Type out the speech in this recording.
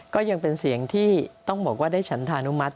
ก็ยังเป็นเสียงที่ต้องบอกว่าได้ฉันธานุมัติ